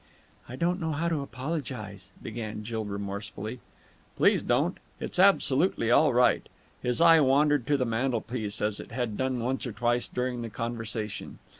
"I don't know how to apologize," began Jill remorsefully. "Please don't. It's absolutely all right." His eye wandered to the mantelpiece, as it had done once or twice during the conversation.